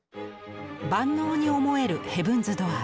万能に思える「ヘブンズ・ドアー」。